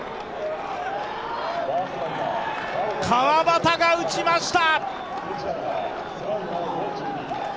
川端が打ちました。